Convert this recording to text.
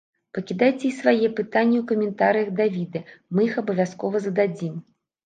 Пакідайце і свае пытанні ў каментарыях да відэа, мы іх абавязкова зададзім!